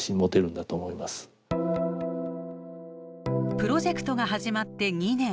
プロジェクトが始まって２年。